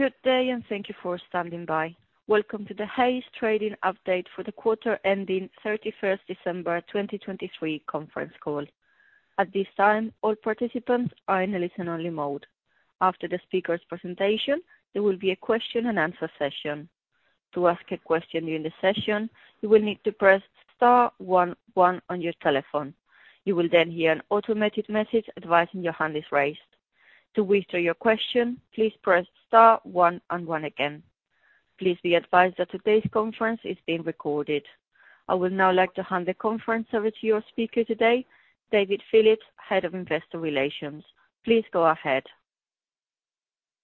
Good day, and thank you for standing by. Welcome to the Hays trading update for the quarter ending December 31, 2023 conference call. At this time, all participants are in a listen-only mode. After the speaker's presentation, there will be a question and answer session. To ask a question during the session, you will need to press star one one on your telephone. You will then hear an automated message advising your hand is raised. To withdraw your question, please press star one and one again. Please be advised that today's conference is being recorded. I would now like to hand the conference over to your speaker today, David Phillips, Head of Investor Relations. Please go ahead.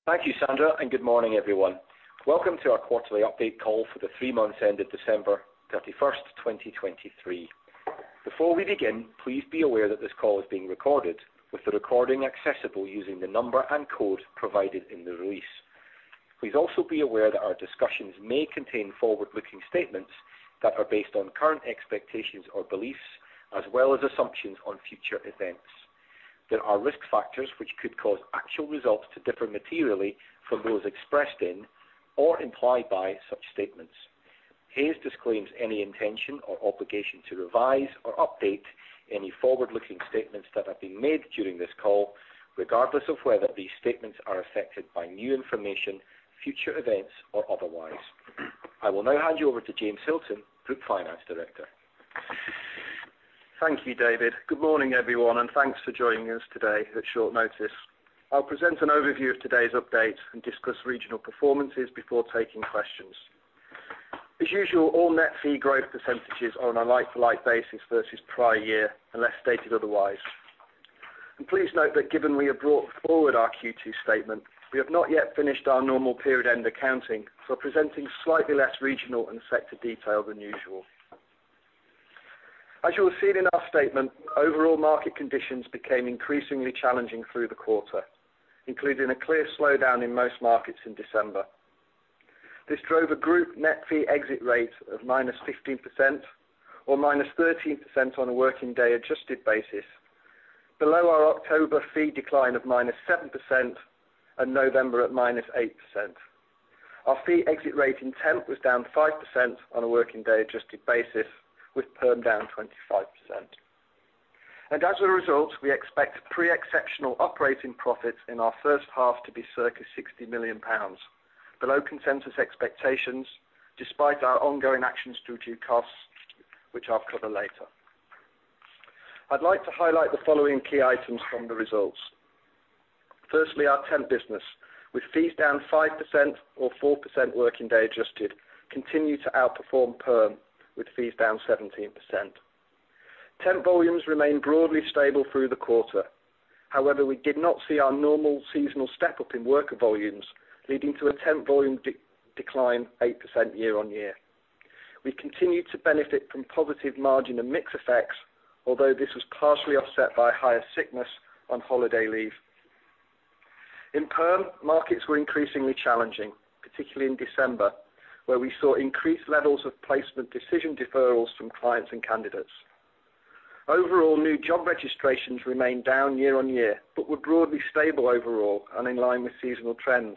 Thank you, Sandra, and good morning, everyone. Welcome to our quarterly update call for the three months ended December 31, 2023. Before we begin, please be aware that this call is being recorded, with the recording accessible using the number and code provided in the release. Please also be aware that our discussions may contain forward-looking statements that are based on current expectations or beliefs, as well as assumptions on future events. There are risk factors which could cause actual results to differ materially from those expressed in or implied by such statements. Hays disclaims any intention or obligation to revise or update any forward-looking statements that have been made during this call, regardless of whether these statements are affected by new information, future events, or otherwise. I will now hand you over to James Hilton, Group Finance Director. Thank you, David. Good morning, everyone, and thanks for joining us today at short notice. I'll present an overview of today's update and discuss regional performances before taking questions. As usual, all net fee growth percentages are on a like-for-like basis versus prior year, unless stated otherwise. Please note that given we have brought forward our Q2 statement, we have not yet finished our normal period-end accounting for presenting slightly less regional and sector detail than usual. As you will see in our statement, overall market conditions became increasingly challenging through the quarter, including a clear slowdown in most markets in December. This drove a group net fee exit rate of -15% or -13% on a working day adjusted basis, below our October fee decline of -7% and November at -8%. Our fee exit rate in temp was down 5% on a working day adjusted basis, with perm down 25%. As a result, we expect pre-exceptional operating profits in our first half to be circa 60 million pounds, below consensus expectations, despite our ongoing actions to reduce costs, which I'll cover later. I'd like to highlight the following key items from the results. Firstly, our temp business, with fees down 5% or 4% working day adjusted, continued to outperform perm, with fees down 17%. Temp volumes remained broadly stable through the quarter. However, we did not see our normal seasonal step-up in worker volumes, leading to a temp volume decline 8% year-over-year. We continued to benefit from positive margin and mix effects, although this was partially offset by higher sickness on holiday leave. In perm, markets were increasingly challenging, particularly in December, where we saw increased levels of placement decision deferrals from clients and candidates. Overall, new job registrations remained down year-on-year, but were broadly stable overall and in line with seasonal trends.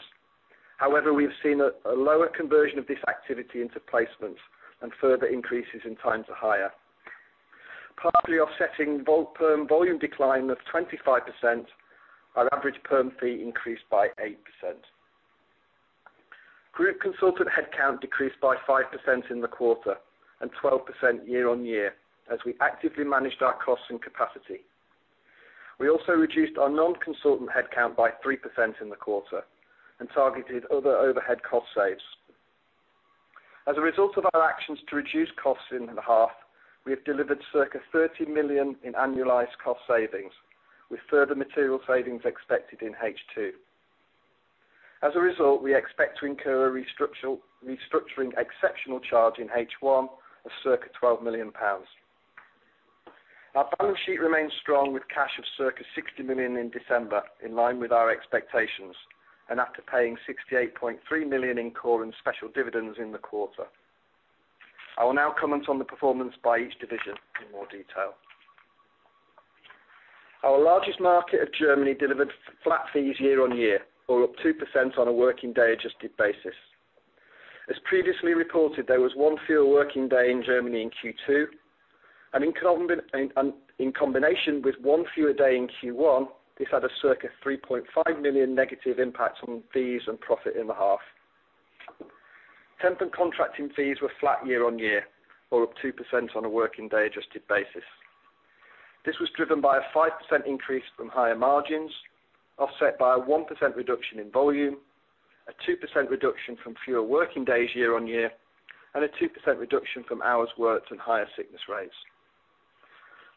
However, we've seen a lower conversion of this activity into placements and further increases in time to hire. Partly offsetting perm volume decline of 25%, our average perm fee increased by 8%. Group consultant headcount decreased by 5% in the quarter and 12% year-on-year, as we actively managed our costs and capacity. We also reduced our non-consultant headcount by 3% in the quarter and targeted other overhead cost saves. As a result of our actions to reduce costs in the half, we have delivered circa 30 million in annualized cost savings, with further material savings expected in H2. As a result, we expect to incur a structural restructuring exceptional charge in H1 of circa GBP 12 million. Our balance sheet remains strong, with cash of circa 60 million in December, in line with our expectations, and after paying 68.3 million in core and special dividends in the quarter. I will now comment on the performance by each division in more detail. Our largest market of Germany delivered flat fees year-on-year, or up 2% on a working day adjusted basis. As previously reported, there was one fewer working day in Germany in Q2, and in combination with one fewer day in Q1, this had a circa 3.5 million negative impact on fees and profit in the half. Temp and contracting fees were flat year-on-year, or up 2% on a working day adjusted basis. This was driven by a 5% increase from higher margins, offset by a 1% reduction in volume, a 2% reduction from fewer working days year-on-year, and a 2% reduction from hours worked and higher sickness rates.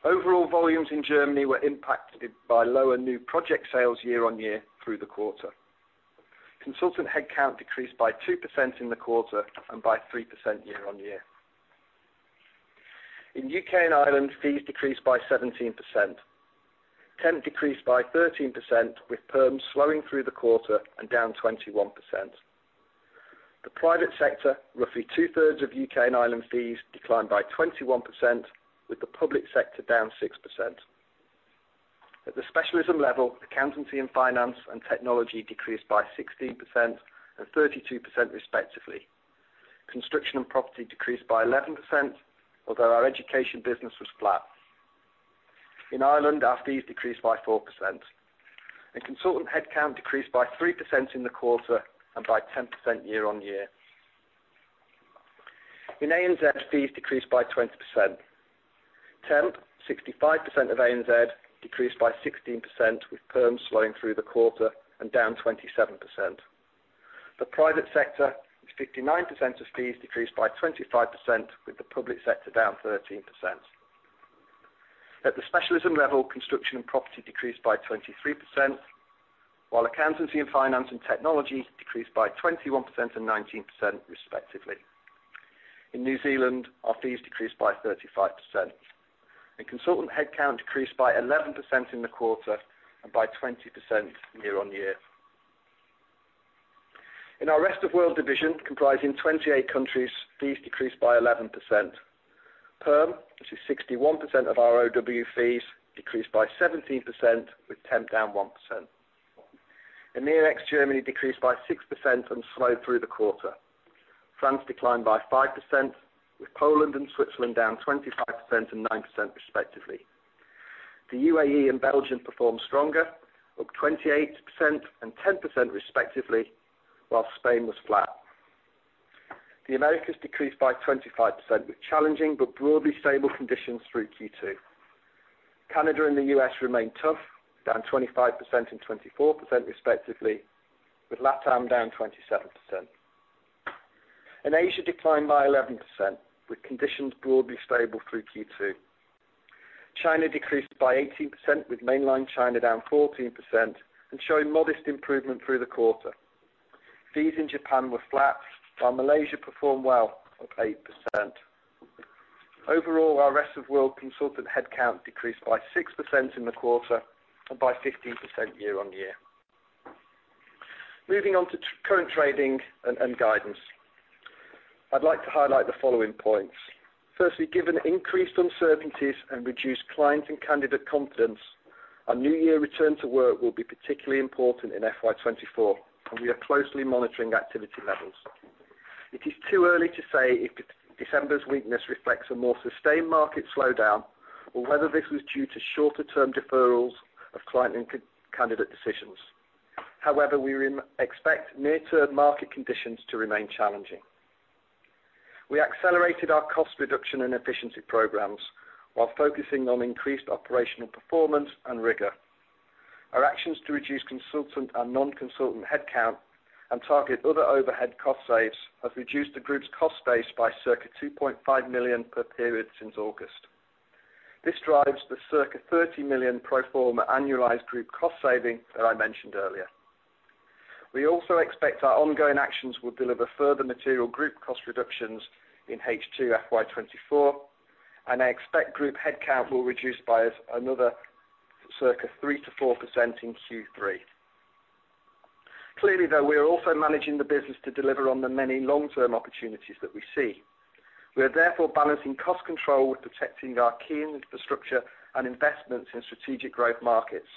Overall volumes in Germany were impacted by lower new project sales year-on-year through the quarter. Consultant headcount decreased by 2% in the quarter and by 3% year-on-year. In U.K. and Ireland, fees decreased by 17%. Temp decreased by 13%, with perms slowing through the quarter and down 21%. The private sector, roughly two-thirds of U.K. and Ireland fees, declined by 21%, with the public sector down 6%.... At the specialism level, accountancy and finance and technology decreased by 16% and 32% respectively. Construction and Property decreased by 11%, although our education business was flat. In Ireland, our fees decreased by 4%, and consultant headcount decreased by 3% in the quarter and by 10% year-on-year. In ANZ, fees decreased by 20%. Temp, 65% of ANZ, decreased by 16%, with perms slowing through the quarter and down 27%. The private sector, with 59% of fees, decreased by 25%, with the public sector down 13%. At the specialism level, construction and property decreased by 23%, while accountancy and finance and technology decreased by 21% and 19% respectively. In New Zealand, our fees decreased by 35%, and consultant headcount decreased by 11% in the quarter and by 20% year-on-year. In our Rest of World division, comprising 28 countries, fees decreased by 11%. Perm, which is 61% of our net fees, decreased by 17%, with temp down 1%. In the EMEA, Germany decreased by 6% and slowed through the quarter. France declined by 5%, with Poland and Switzerland down 25% and 9% respectively. The UAE and Belgium performed stronger, up 28% and 10% respectively, while Spain was flat. The Americas decreased by 25%, with challenging but broadly stable conditions through Q2. Canada and the U.S. remained tough, down 25% and 24% respectively, with Latam down 27%. In Asia, declined by 11%, with conditions broadly stable through Q2. China decreased by 18%, with Mainland China down 14% and showing modest improvement through the quarter. Fees in Japan were flat, while Malaysia performed well, up 8%. Overall, our Rest of World consultant headcount decreased by 6% in the quarter and by 15% year-on-year. Moving on to current trading and guidance. I'd like to highlight the following points: firstly, given increased uncertainties and reduced client and candidate confidence, our new year return to work will be particularly important in FY 2024, and we are closely monitoring activity levels. It is too early to say if December's weakness reflects a more sustained market slowdown or whether this was due to shorter term deferrals of client and candidate decisions. However, we expect near-term market conditions to remain challenging. We accelerated our cost reduction and efficiency programs while focusing on increased operational performance and rigor. Our actions to reduce consultant and non-consultant headcount and target other overhead cost saves have reduced the group's cost base by circa 2.5 million per period since August. This drives the circa 30 million pro forma annualized group cost saving that I mentioned earlier. We also expect our ongoing actions will deliver further material group cost reductions in H2 FY 2024, and I expect group headcount will reduce by another circa 3%-4% in Q3. Clearly, though, we are also managing the business to deliver on the many long-term opportunities that we see. We are therefore balancing cost control with protecting our key infrastructure and investments in strategic growth markets.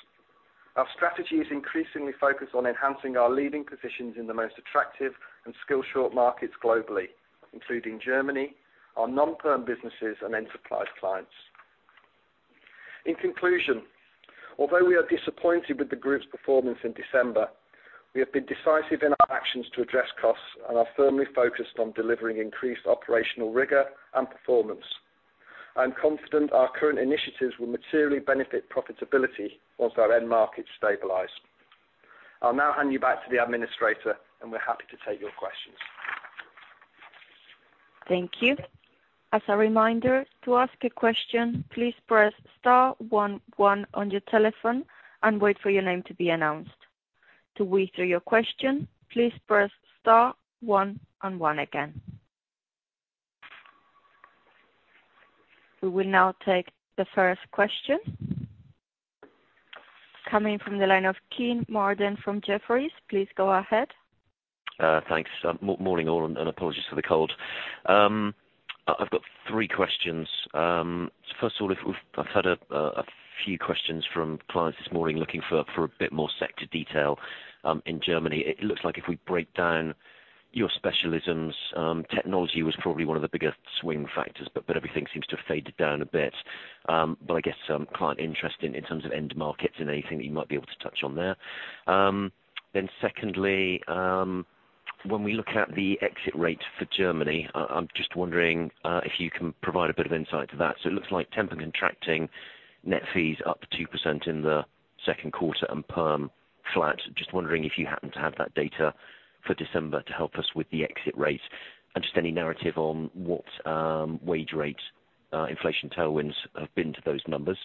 Our strategy is increasingly focused on enhancing our leading positions in the most attractive and skill short markets globally, including Germany, our non-perm businesses, and enterprise clients. In conclusion, although we are disappointed with the group's performance in December, we have been decisive in our actions to address costs and are firmly focused on delivering increased operational rigor and performance. I'm confident our current initiatives will materially benefit profitability once our end markets stabilize. I'll now hand you back to the administrator, and we're happy to take your questions. Thank you. As a reminder, to ask a question, please press star one one on your telephone and wait for your name to be announced. To withdraw your question, please press star one and one again. We will now take the first question. Coming from the line of Kean Marden from Jefferies. Please go ahead. Thanks. Morning, all, and apologies for the cold. I've got three questions. First of all, I've had a few questions from clients this morning looking for a bit more sector detail in Germany. It looks like if we break down your specialisms, technology was probably one of the biggest swing factors, but everything seems to have faded down a bit. But I guess some client interest in terms of end markets and anything that you might be able to touch on there. Then secondly, when we look at the exit rate for Germany, I'm just wondering if you can provide a bit of insight to that. So it looks like temp and contracting net fees up 2% in the second quarter and perm flat. Just wondering if you happen to have that data for December to help us with the exit rate and just any narrative on what wage rates, inflation tailwinds have been to those numbers.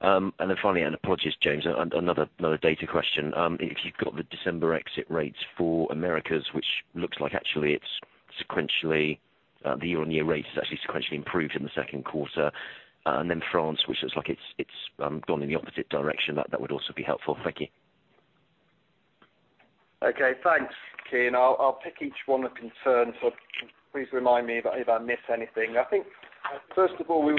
And then finally, and apologies, James, another another data question. If you've got the December exit rates for Americas, which looks like actually it's sequentially the year-on-year rate has actually sequentially improved in the second quarter. And then France, which looks like it's it's gone in the opposite direction. That that would also be helpful. Thank you. Okay, thanks, Kean. I'll pick each one of concern, so please remind me if I miss anything. I think, first of all, we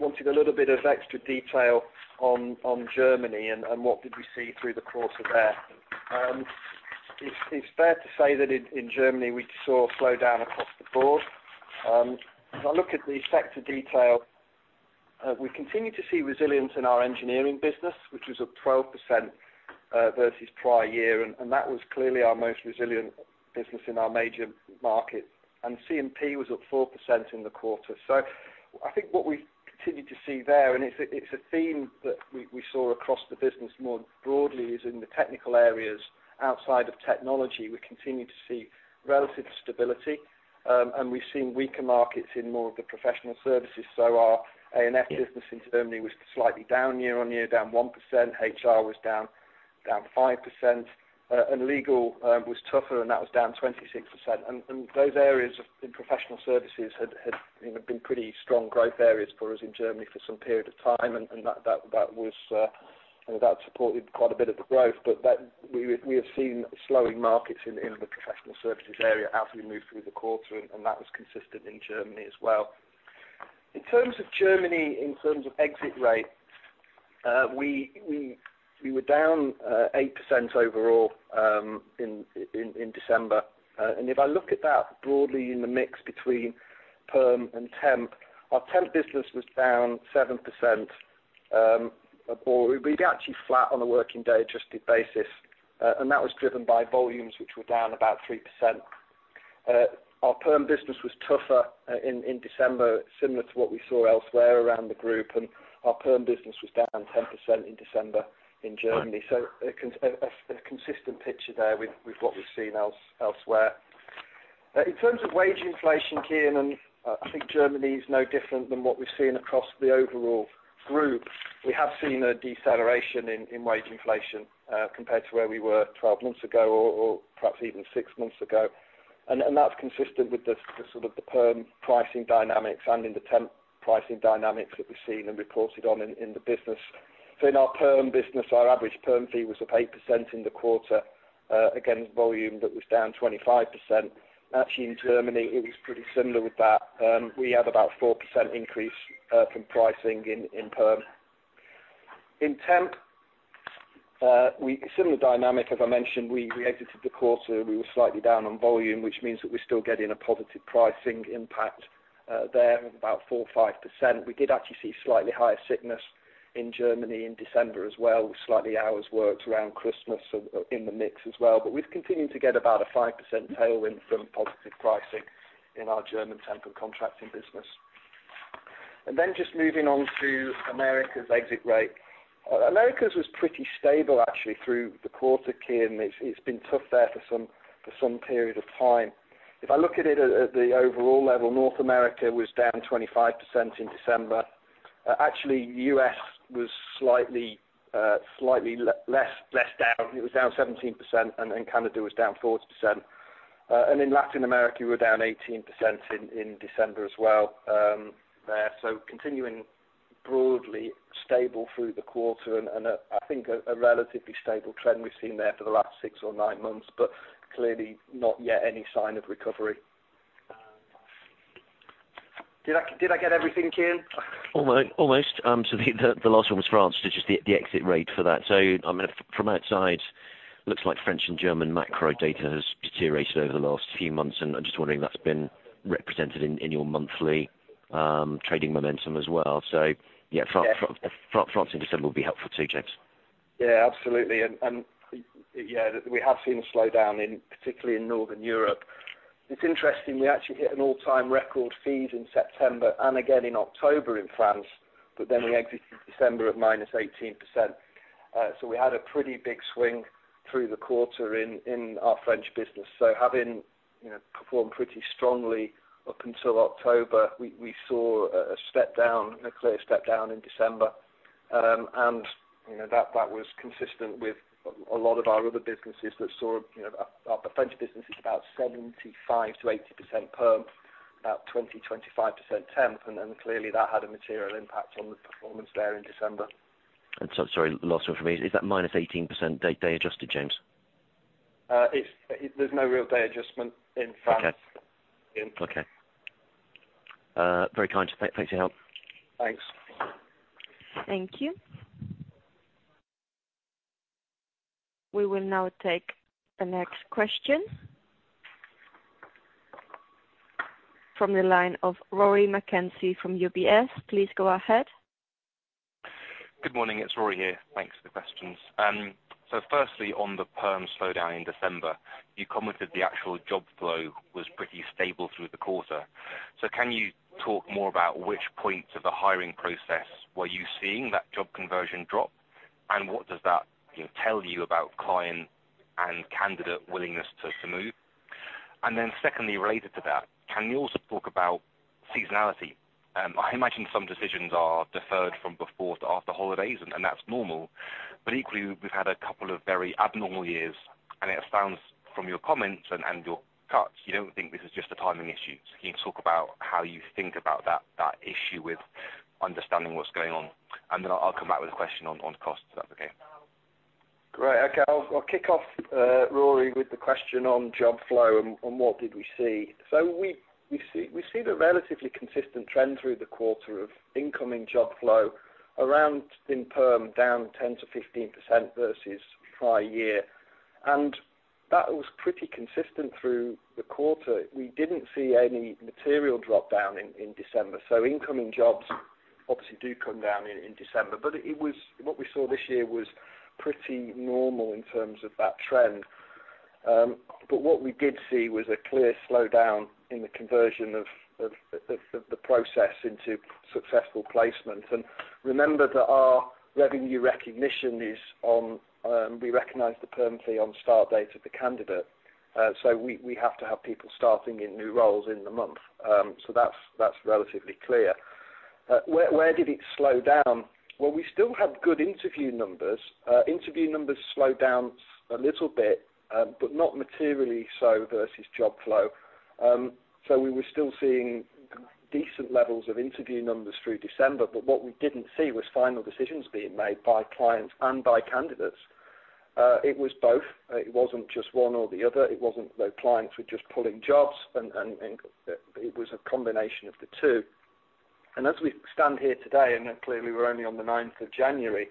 wanted a little bit of extra detail on Germany and what did we see through the course of there? It's fair to say that in Germany, we saw a slowdown across the board. If I look at the sector detail, we continue to see resilience in our engineering business, which was up 12%, versus prior year, and that was clearly our most resilient business in our major markets. C&P was up 4% in the quarter. So I think what we continue to see there, and it's a theme that we saw across the business more broadly, is in the technical areas outside of technology, we continue to see relative stability, and we've seen weaker markets in more of the professional services. So our A&F business in Germany was slightly down year-on-year, down 1%. HR was down 5%, and legal was tougher, and that was down 26%. And those areas in professional services had, you know, been pretty strong growth areas for us in Germany for some period of time, and that supported quite a bit of the growth. But that we have seen slowing markets in the professional services area as we move through the quarter, and that was consistent in Germany as well. In terms of Germany, in terms of exit rates, we were down 8% overall in December. And if I look at that broadly in the mix between perm and temp, our temp business was down 7%. Or we were actually flat on a working day adjusted basis, and that was driven by volumes, which were down about 3%. Our perm business was tougher in December, similar to what we saw elsewhere around the group, and our perm business was down 10% in December in Germany. So a consistent picture there with what we've seen elsewhere. In terms of wage inflation, Kean, and I think Germany is no different than what we've seen across the overall group. We have seen a deceleration in wage inflation compared to where we were 12 months ago, or perhaps even 6 months ago. And that's consistent with the sort of perm pricing dynamics and in the temp pricing dynamics that we've seen and reported on in the business. So in our perm business, our average perm fee was up 8% in the quarter against volume that was down 25%. Actually, in Germany, it was pretty similar with that. We have about 4% increase from pricing in perm. In temp, we similar dynamic, as I mentioned, we exited the quarter, we were slightly down on volume, which means that we're still getting a positive pricing impact there, about 4 or 5%. We did actually see slightly higher sickness in Germany in December as well, slightly hours worked around Christmas in the mix as well. But we've continued to get about a 5% tailwind from positive pricing in our German temp and contracting business. And then just moving on to Americas exit rate. Americas was pretty stable actually through the quarter, Kean. It's been tough there for some period of time. If I look at it at the overall level, North America was down 25% in December. Actually, US was slightly less down. It was down 17%, and then Canada was down 40%. And in Latin America, we're down 18% in December as well, there. So continuing broadly stable through the quarter, and I think a relatively stable trend we've seen there for the last 6 or 9 months, but clearly not yet any sign of recovery. Did I get everything, Kean? Almost. So the last one was France, just the exit rate for that. So, I mean, from outside, looks like French and German macro data has deteriorated over the last few months, and I'm just wondering if that's been represented in your monthly trading momentum as well. So yeah. Yeah. France in December will be helpful too, James. Yeah, absolutely. And yeah, we have seen a slowdown in, particularly in northern Europe. It's interesting, we actually hit an all-time record fees in September and again in October in France, but then we exited December at -18%. So we had a pretty big swing through the quarter in our French business. So having, you know, performed pretty strongly up until October, we saw a step down, a clear step down in December. And, you know, that was consistent with a lot of our other businesses that saw, you know. Our French business is about 75%-80% perm, about 20-25% temp, and then clearly, that had a material impact on the performance there in December. Sorry, last one for me. Is that -18% day-day adjusted, James? There's no real day adjustment in France. Okay. Yeah. Okay. Very kind. Thanks for your help. Thanks. Thank you. We will now take the next question... From the line of Rory McKenzie from UBS. Please go ahead. Good morning, it's Rory here. Thanks for the questions. So firstly, on the perm slowdown in December, you commented the actual job flow was pretty stable through the quarter. So can you talk more about which points of the hiring process were you seeing that job conversion drop? And what does that, you know, tell you about client and candidate willingness to move? And then secondly, related to that, can you also talk about seasonality? I imagine some decisions are deferred from before to after holidays, and that's normal. But equally, we've had a couple of very abnormal years, and it sounds like from your comments and your cuts, you don't think this is just a timing issue? Can you talk about how you think about that issue with understanding what's going on? And then I'll come back with a question on costs, if that's okay? Great. Okay. I'll kick off, Rory, with the question on job flow and what did we see. So we see the relatively consistent trend through the quarter of incoming job flow around in perm, down 10%-15% versus prior year. And that was pretty consistent through the quarter. We didn't see any material drop down in December, so incoming jobs obviously do come down in December, but what we saw this year was pretty normal in terms of that trend. But what we did see was a clear slowdown in the conversion of the process into successful placement. And remember that our revenue recognition is on, we recognize the perm fee on start date of the candidate. So we have to have people starting in new roles in the month. So that's, that's relatively clear. Where, where did it slow down? Well, we still have good interview numbers. Interview numbers slowed down a little bit, but not materially so versus job flow. So we were still seeing decent levels of interview numbers through December, but what we didn't see was final decisions being made by clients and by candidates. It was both. It wasn't just one or the other. It wasn't the clients were just pulling jobs, and, and, and it was a combination of the two. And as we stand here today, and clearly we're only on the ninth of January,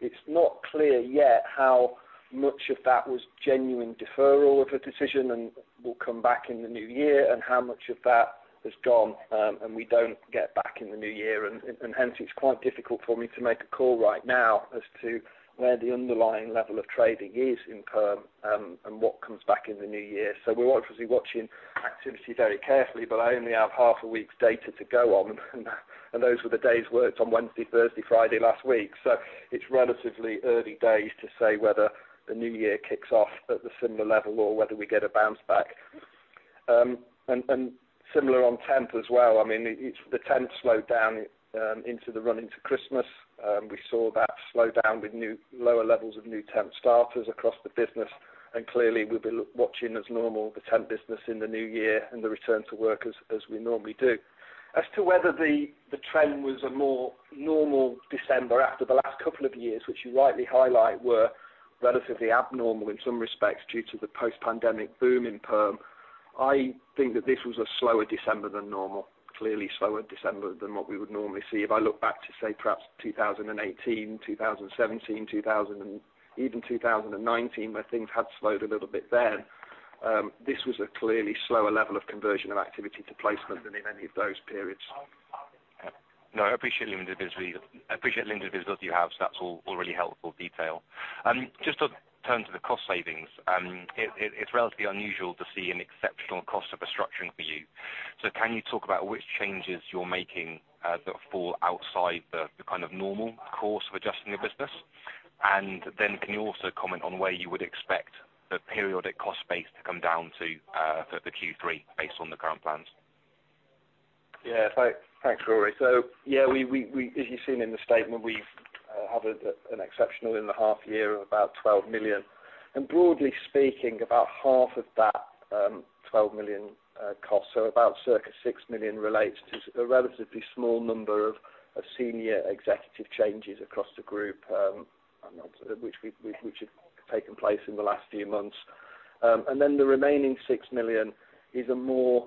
it's not clear yet how much of that was genuine deferral of a decision and will come back in the new year, and how much of that has gone, and we don't get back in the new year. And hence, it's quite difficult for me to make a call right now as to where the underlying level of trading is in perm, and what comes back in the new year. So we're obviously watching activity very carefully, but I only have half a week's data to go on, and those were the days worked on Wednesday, Thursday, Friday last week. So it's relatively early days to say whether the new year kicks off at a similar level or whether we get a bounce back. And similar on temp as well. I mean, the temp slowed down into the run into Christmas. We saw that slow down with new, lower levels of new temp starters across the business, and clearly we'll be watching as normal the temp business in the new year and the return to work as we normally do. As to whether the trend was a more normal December after the last couple of years, which you rightly highlight were relatively abnormal in some respects, due to the post-pandemic boom in perm, I think that this was a slower December than normal. Clearly slower December than what we would normally see. If I look back to, say, perhaps 2018, 2017, even 2019, where things had slowed a little bit then, this was a clearly slower level of conversion of activity to placement than in any of those periods. No, I appreciate the visibility. I appreciate the visibility you have, so that's all really helpful detail. Just to turn to the cost savings, it's relatively unusual to see an exceptional cost of restructuring for you. So can you talk about which changes you're making that fall outside the kind of normal course of adjusting your business? And then can you also comment on where you would expect the periodic cost base to come down to for the Q3 based on the current plans? Yeah, thanks, Rory. So yeah, we as you've seen in the statement, we have an exceptional in the half year of about 12 million, and broadly speaking, about half of that, 12 million cost, so about circa 6 million, relates to a relatively small number of senior executive changes across the group, which have taken place in the last few months. And then the remaining 6 million is a more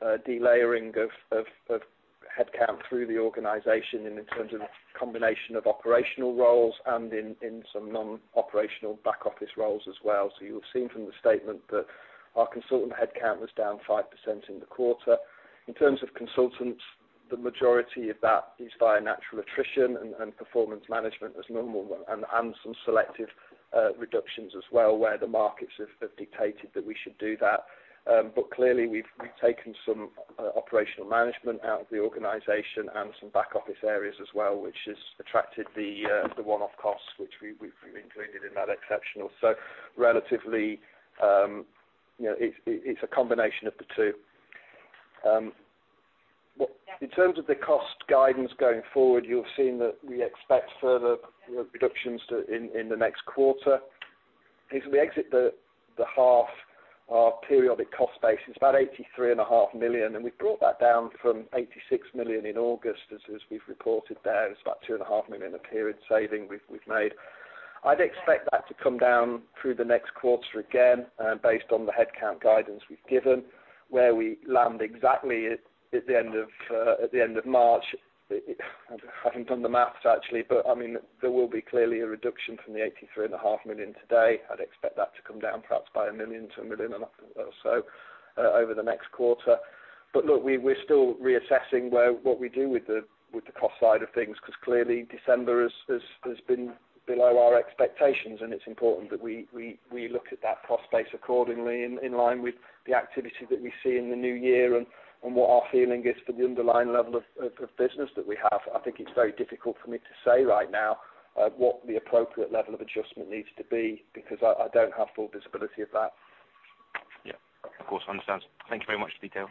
delayering of headcount through the organization in terms of combination of operational roles and some non-operational back office roles as well. So you'll have seen from the statement that our consultant headcount was down 5% in the quarter. In terms of consultants, the majority of that is via natural attrition and performance management as normal, and some selective reductions as well, where the markets have dictated that we should do that. But clearly, we've taken some operational management out of the organization and some back office areas as well, which has attracted the one-off costs, which we've included in that exceptional. So relatively, you know, it's a combination of the two. In terms of the cost guidance going forward, you'll have seen that we expect further reductions in the next quarter. As we exit the half, our periodic cost base is about 83.5 million, and we've brought that down from 86 million in August. As we've reported there, it's about 2.5 million of period saving we've made. I'd expect that to come down through the next quarter again, based on the headcount guidance we've given. Where we land exactly at the end of March, I haven't done the math actually, but I mean, there will be clearly a reduction from the 83.5 million today. I'd expect that to come down perhaps by 1 million-1.5 million or so, over the next quarter. But look, we're still reassessing where, what we do with the cost side of things, because clearly December has been below our expectations, and it's important that we look at that cost base accordingly in line with the activity that we see in the new year and what our feeling is for the underlying level of business that we have. I think it's very difficult for me to say right now what the appropriate level of adjustment needs to be, because I don't have full visibility of that. Of course, I understand. Thank you very much for detail.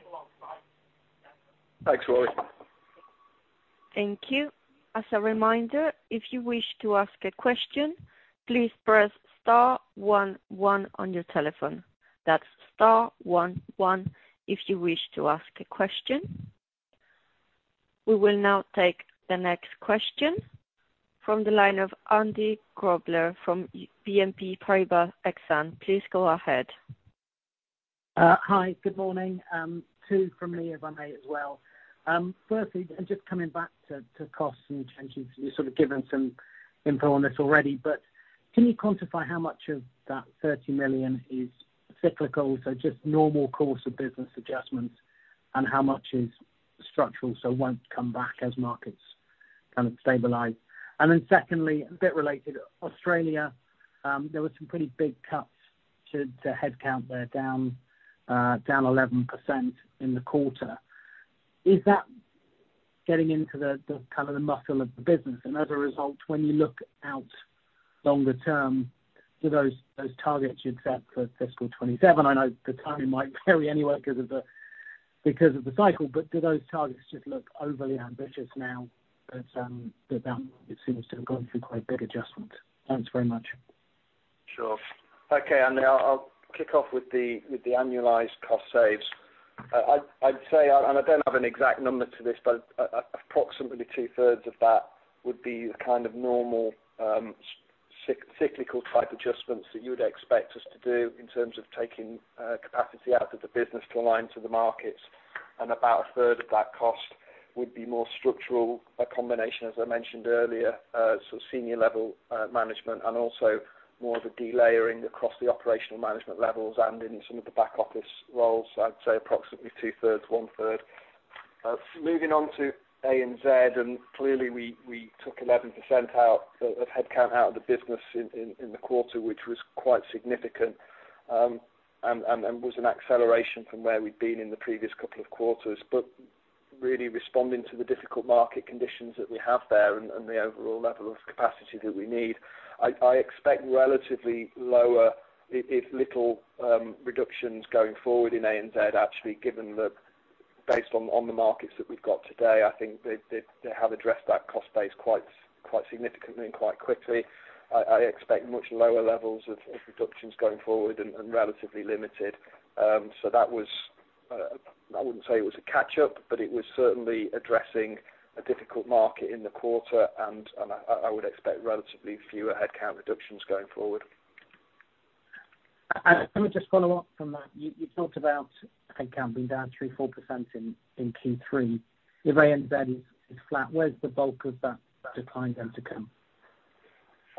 Thanks, Rory. Thank you. As a reminder, if you wish to ask a question, please press star one one on your telephone. That's star one one, if you wish to ask a question. We will now take the next question from the line of Andy Grobler from BNP Paribas Exane. Please go ahead. Hi, good morning. Two from me, if I may, as well. Firstly, and just coming back to costs and changes, you've sort of given some info on this already, but can you quantify how much of that 30 million is cyclical, so just normal course of business adjustments? And how much is structural, so won't come back as markets kind of stabilize? And then secondly, a bit related, Australia, there were some pretty big cuts to headcount there, down 11% in the quarter. Is that getting into the kind of the muscle of the business? As a result, when you look out longer term, do those targets you'd set for fiscal 2027, I know the timing might vary anyway because of the cycle, but do those targets just look overly ambitious now that it seems to have gone through quite a big adjustment? Thanks very much. Sure. Okay, Andy, I'll kick off with the annualized cost saves. I'd say, and I don't have an exact number to this, but approximately 2/3 of that would be the kind of normal, cyclical type adjustments that you would expect us to do, in terms of taking capacity out of the business to align to the markets. And about a third of that cost would be more structural, a combination, as I mentioned earlier, so senior level management and also more of a delayering across the operational management levels and in some of the back office roles. I'd say approximately 2/3, 1/3. Moving on to ANZ, and clearly, we took 11% out of headcount, out of the business in the quarter, which was quite significant. And was an acceleration from where we'd been in the previous couple of quarters, but really responding to the difficult market conditions that we have there and the overall level of capacity that we need. I expect relatively lower, if little, reductions going forward in ANZ, actually, given that based on the markets that we've got today, I think they have addressed that cost base quite significantly and quite quickly. I expect much lower levels of reductions going forward and relatively limited. So that was, I wouldn't say it was a catch up, but it was certainly addressing a difficult market in the quarter, and I would expect relatively fewer headcount reductions going forward. Let me just follow up from that. You talked about headcount being down 3%-4% in Q3. If ANZ is flat, where's the bulk of that decline going to come?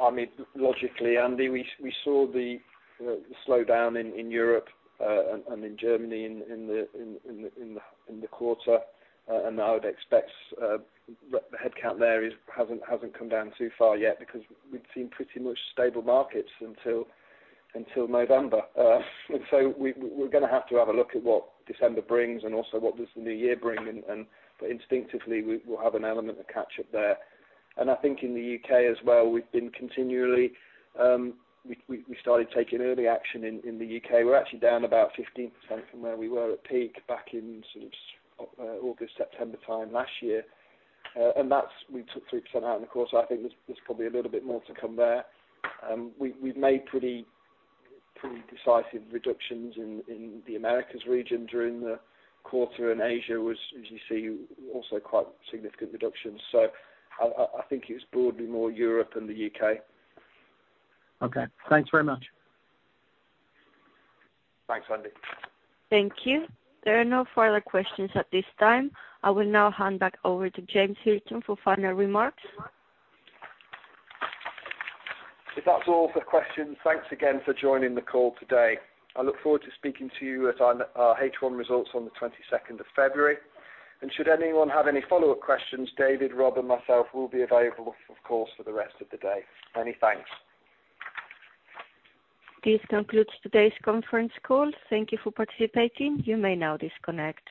I mean, logically, Andy, we saw the slowdown in Europe and in Germany in the quarter. And I would expect the headcount there hasn't come down too far yet because we've seen pretty much stable markets until November. So we're gonna have to have a look at what December brings and also what the new year brings, but instinctively, we'll have an element of catch up there. And I think in the U.K. as well, we've been continually, we started taking early action in the U.K. We're actually down about 15% from where we were at peak back in sort of August, September time last year. And that's, we took 3% out, and of course, I think there's probably a little bit more to come there. We've made pretty decisive reductions in the Americas region during the quarter, and Asia was, as you see, also quite significant reductions. So I think it's broadly more Europe than the U.K. Okay. Thanks very much. Thanks, Andy. Thank you. There are no further questions at this time. I will now hand back over to James Hilton for final remarks. If that's all for questions, thanks again for joining the call today. I look forward to speaking to you at our H1 results on the twenty-second of February. Should anyone have any follow-up questions, David, Rob, and myself will be available, of course, for the rest of the day. Many thanks. This concludes today's conference call. Thank you for participating. You may now disconnect.